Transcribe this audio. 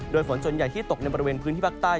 โดยฝนส่วนใหญ่ที่ตกในบริเวณพื้นที่ภาคใต้